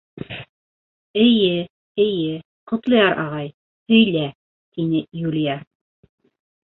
— Эйе, эйе, Ҡотлояр ағай, һөйлә, — тине Юлия.